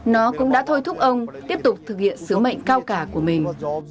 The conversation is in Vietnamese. nó cũng đã thôi thúc ông tiếp tục thực hiện sứ mệnh cao cả của mình